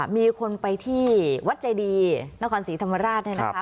มีคนไปที่วัดเจดีนครศรีธรรมราชเนี่ยนะคะ